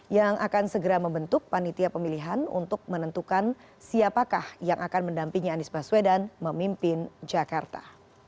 yang akan segera membentuk panitia pemilihan untuk menentukan siapakah yang akan mendampingi anies baswedan memimpin jakarta